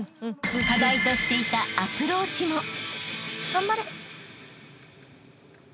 ［課題としていたアプローチも］